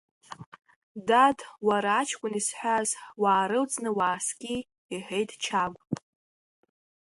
Дад, уара аҷкәын изҳәаз, уаарылҵны уааскьеи, — иҳәеит Чагә.